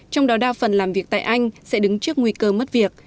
trong đó đa phần làm việc tại anh sẽ đứng trước nguy cơ mất việc